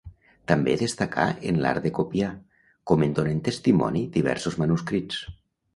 També destacà en l'art de copiar, com en donen testimoni diversos manuscrits.